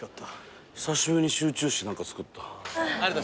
久しぶりに集中して何かつくった。